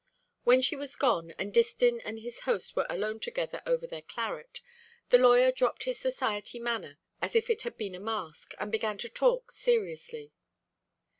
When she was gone, and Distin and his host were alone together over their claret, the lawyer dropped his society manner as if it had been a mask, and began to talk seriously.